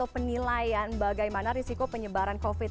penambahan bahkan lonjakan kasus